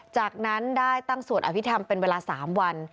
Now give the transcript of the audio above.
จากนั้นได้ตั้งสวดอภิษฐรรมเป็นเวลา๓วัน